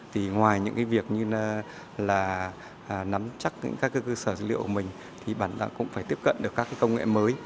thì ngoài những cái việc như là nắm chắc những các cơ sở dữ liệu của mình thì bạn đã cũng phải tiếp cận được các cái công nghệ mới